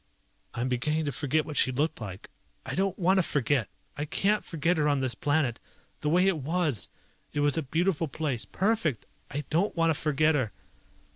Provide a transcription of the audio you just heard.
"I'm beginning to forget what she looked like. I don't want to forget! I can't forget her on this planet. The way it was! It was a beautiful place, perfect! I don't want to forget her!"